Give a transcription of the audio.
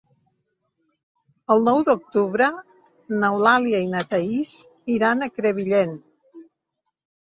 El nou d'octubre n'Eulàlia i na Thaís iran a Crevillent.